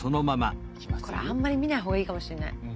これあんまり見ない方がいいかもしれない。